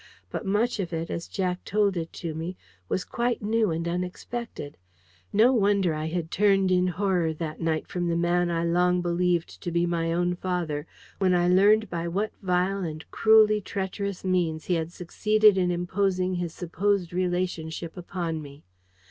But much of it, as Jack told it to me, was quite new and unexpected. No wonder I had turned in horror that night from the man I long believed to be my own father, when I learned by what vile and cruelly treacherous means he had succeeded in imposing his supposed relationship upon me!